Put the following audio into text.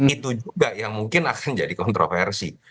itu juga yang mungkin akan jadi kontroversi